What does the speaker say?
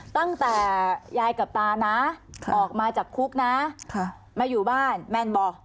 ตั้งแต่ยายกับตานะออกมาจากคุกนะมาอยู่บ้านแมนบอก